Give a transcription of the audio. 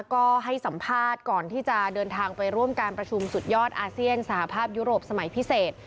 ก็ให้สัมภาษณ์ก่อนที่จะเดินทางไปร่วมการประชุมสุดยอดอาเซียนสหภาพยุโรปสมัยพิเศษ